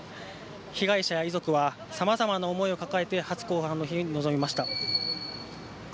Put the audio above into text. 被害者や遺族はさまざまな思いを抱えて初公判の日に臨みました。